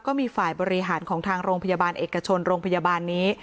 ก็มีฝ่ายบริหารของทางโรงพยาบาลเอกชนโรงพยาบาลนี้